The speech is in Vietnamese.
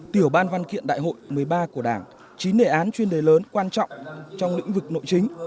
tiểu ban văn kiện đại hội một mươi ba của đảng chín đề án chuyên đề lớn quan trọng trong lĩnh vực nội chính